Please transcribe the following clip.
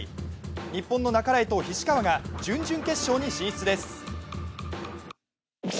日本の半井と菱川が準々決勝に出場です。